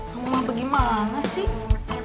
mama bagaimana sih